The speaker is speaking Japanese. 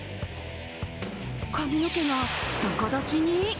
髪の毛が逆立ちに？